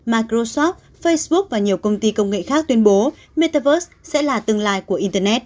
microsoft facebook và nhiều công ty công nghệ khác tuyên bố metaverse sẽ là tương lai của internet